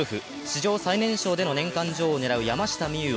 史上最年少での年間女王を狙う山下美夢